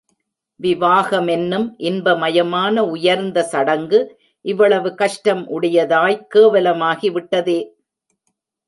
விவாகமென்னும் இன்பமயமான உயர்ந்த சடங்கு, இவ்வளவு கஷ்டம் உடையதாய்க் கேவலமாகி விட்டதே.